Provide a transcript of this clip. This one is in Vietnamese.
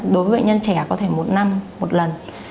đối với bệnh nhân trẻ có thể một năm một lần